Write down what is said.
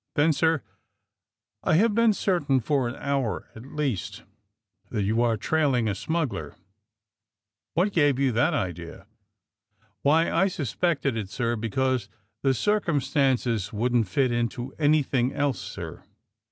'' ^*Then, sir, I have been certain, for an hour at least, that you were trailing: a smu2:gler." 202 THE SUBMAEINE BOYS ''What gave you that idea?" ''Why, I suspected it, sir, because the circum stances wouldn't tit into anything else, sir."